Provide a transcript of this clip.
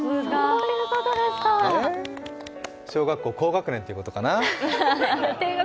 小学校高学年っていうことかな？